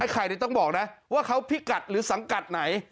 ไข่ต้องบอกนะว่าเขาพิกัดหรือสังกัดไหน